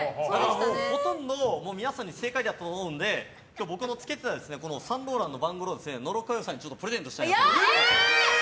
ほとんど皆さん正解だと思うので今日僕の着けていたサンローランのバンドロール野呂佳代さんにプレゼントしたいと思います。